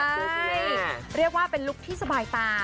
ชื่อที่เรียกว่าเป็นลุคที่สบายตา